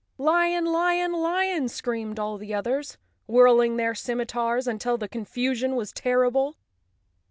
"Lion! Lion! Lion!" screamed all the others, whirling their scimitars until the confusion was terrible.